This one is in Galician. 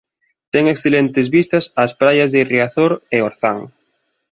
Ten excelentes vistas ás praias de Riazor e Orzán.